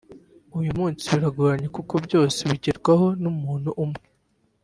uyu munsi biragoranye kuko byose bigerwaho n’umuntu umwe